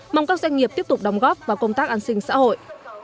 mong các doanh nghiệp tiếp tục đóng góp vào công tác an sinh xã hội